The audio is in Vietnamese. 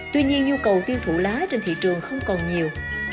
tuy nhiên nhu cầu tiêu thụ lá trên thị trường không còn nhiều